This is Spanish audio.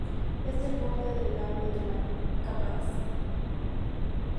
Es el borde del labio de la caparazón.